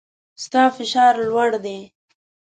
ستا فشار لوړ دی